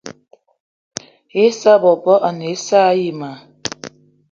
Issa bebo gne ane assa ayi ma.